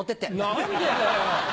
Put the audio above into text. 何でだよ！